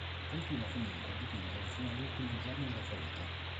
Continua comunque a dipingere fino all'ultimo giorno della sua vita.